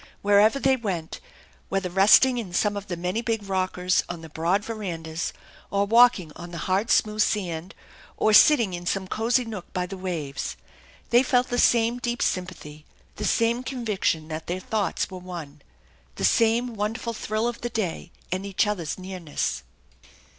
Wherever they went, whether resting in some of the many big rockers on the broad verandas or walking on the hard smooth sand* or sitting in some cozy nook by the waves, they felt the same deep sympathy, the same conviction that their thoughts were one, the same wonderful thrill of the day and each other's nearness.